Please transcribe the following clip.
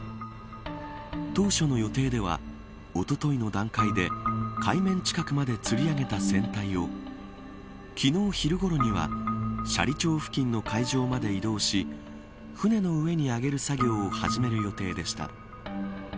当初の予定ではおとといの段階で海面近くまでつり上げた船体を昨日昼ごろには斜里町付近の海上まで移動し船の上に揚げる作業を始める予定でした。